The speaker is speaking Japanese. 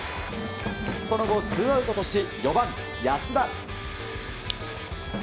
その後、ツーアウトとし４番、安田。